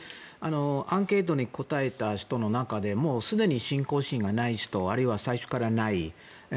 アンケートに答えた人の中でもすでに信仰心がない人あるいは最初からない人